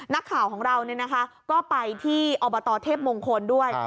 นักข่าวของเราเนี่ยนะคะก็ไปที่อบตเทพมงคลด้วย